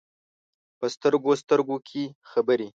په سترګو، سترګو کې خبرې ،